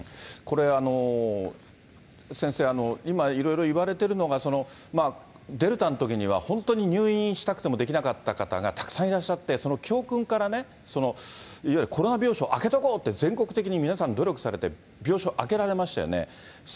これ、先生、今、いろいろ言われてるのが、デルタのときには、本当に入院したくてもできなかった方がたくさんいらっしゃって、その教訓からね、そのいわゆる、コロナ病床あけとこうって、全国的に皆さん、努力されて、病床、空けられましたよね。